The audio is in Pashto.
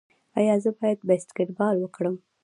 ایا زه باید باسکیټبال وکړم؟